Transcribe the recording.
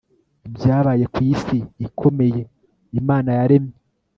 ibyabaye ku isi ikomeye imana yaremye